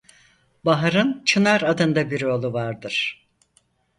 Bahar'ın Çınar adında bir oğlu vardır.